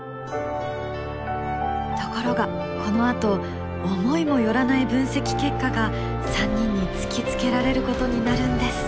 ところがこのあと思いも寄らない分析結果が３人に突きつけられることになるんです。